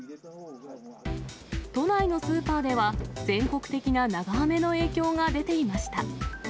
都内のスーパーでは、全国的な長雨の影響が出ていました。